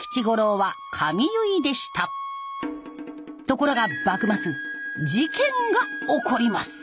ところが幕末事件が起こります。